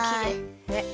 ねっ！